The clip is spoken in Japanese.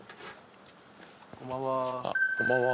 こんばんは。